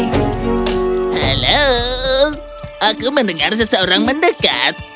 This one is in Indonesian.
halo aku mendengar seseorang mendekat